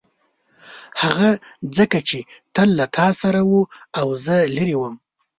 هغه ځکه چې تل له تا سره و او زه لیرې وم.